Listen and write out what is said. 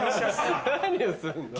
何をすんの？